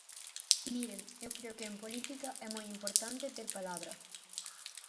Miren, eu creo que en política é moi importante ter palabra.